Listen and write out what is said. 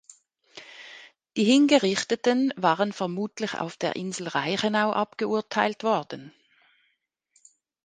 Die Hingerichteten waren vermutlich auf der Insel Reichenau abgeurteilt worden.